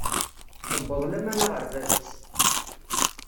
Tewweḍ lamana ɣer bab-is.